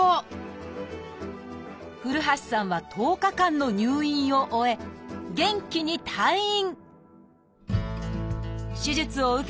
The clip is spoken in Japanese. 古橋さんは１０日間の入院を終え元気に退院！